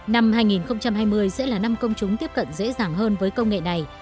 năm hai nghìn hai mươi sẽ là năm công chúng tiếp cận dễ dàng hơn với công nghệ này